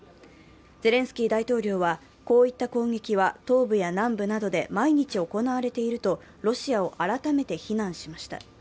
ゼレンスキー大統領、こういった攻撃は東部や南部などで毎日行われているとロシアを改めて非難しました。